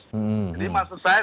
jadi maksud saya